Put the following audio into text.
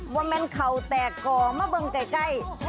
วันเป็นเข่าแตกก่อมาเบื้องใกล้